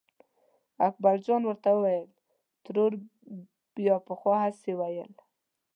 اکبرجان ورته وویل ترور بیا پخوا هسې ویل.